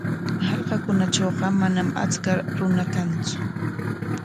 Hallqakunatrawqa manam achka runa kantsu.